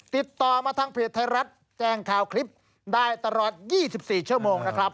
ติดต่อมาทางเพจไทยรัฐแจ้งข่าวคลิปได้ตลอด๒๔ชั่วโมงนะครับ